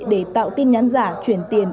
để tạo tin nhắn giả chuyển tiền